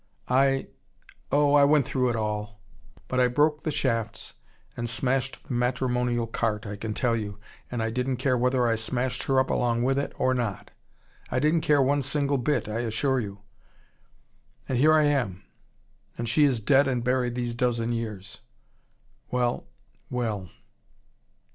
I oh, I went through it all. But I broke the shafts and smashed the matrimonial cart, I can tell you, and I didn't care whether I smashed her up along with it or not. I didn't care one single bit, I assure you. And here I am. And she is dead and buried these dozen years. Well well!